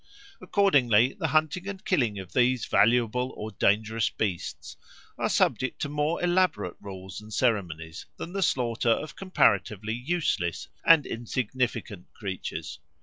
Accordingly the hunting and killing of these valuable or dangerous beasts are subject to more elaborate rules and ceremonies than the slaughter of comparatively useless and insignificant creatures.